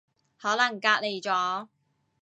可能隔離咗